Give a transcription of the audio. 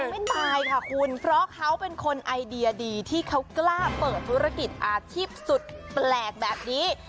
ไม่ตายค่ะคุณเพราะเขาเป็นคนไอเดียดีที่เขากล้าเปิดธุรกิจอาชีพสุดแปลกแบบนี้